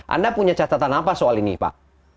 anda punya catatan apa soal ini pak